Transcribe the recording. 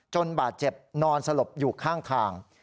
จนบาดเจ็บนอนสลบอยู่ข้าง